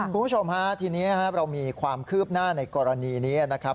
คุณผู้ชมฮะทีนี้เรามีความคืบหน้าในกรณีนี้นะครับ